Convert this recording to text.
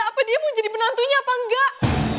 apa dia mau jadi penantunya apa enggak